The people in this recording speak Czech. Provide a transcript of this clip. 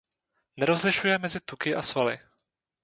Nerozlišuje mezi tuky a svaly.